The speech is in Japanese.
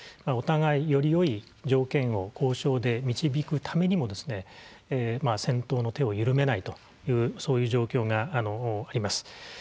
お互い、よりよい条件を交渉で導くためにも戦闘の手を緩めないというそういう状況があります。